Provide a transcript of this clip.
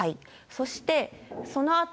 そしてそのあと。